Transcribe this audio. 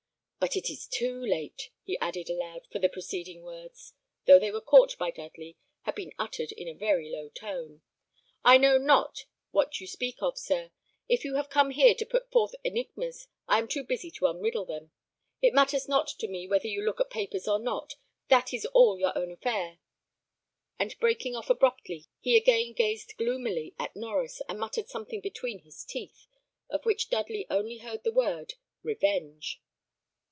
But it is too late," he added, aloud, for the preceding words, though they were caught by Dudley, had been uttered in a very low tone. "I know not what you speak of, sir. If you have come here to put forth enigmas, I am too busy to unriddle them. It matters not to me whether you look at papers or not. That is all your own affair." And breaking off abruptly, he again gazed gloomily at Norries, and muttered something between his teeth, of which Dudley only heard the word, "Revenge."